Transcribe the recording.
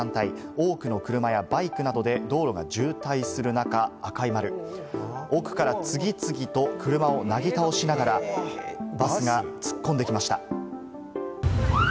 多くの車やバイクなどで道路が渋滞する中、奥から次々と車をなぎ倒しながら、バスが突っ込んできました。